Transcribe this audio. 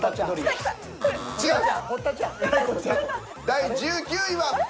第１９位は。